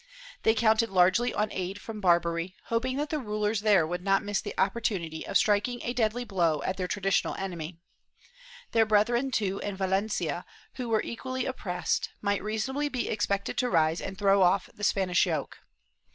They counted largely on aid from Barbary, hoping that the rulers there would not miss the oppor tunity of striking a deadly blow at their traditional enemy. Their brethren, too, in Valencia, who were equally oppressed, might reasonably be expected to rise and throw off the Spanish yoke.